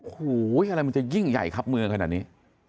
โอ้โหอะไรมันจะยิ่งใหญ่ครับเมืองขนาดนี้